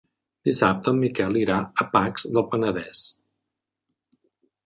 Dissabte en Miquel irà a Pacs del Penedès.